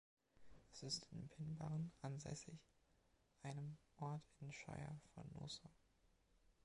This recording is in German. Es ist in Pinbarren ansässig, einem Ort im Shire von Noosa.